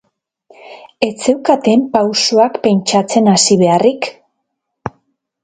Ez zeukaten pausoak pentsatzen hasi beharrik.